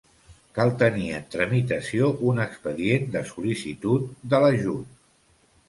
Cal tenir en tramitació un expedient de sol·licitud de l'ajut.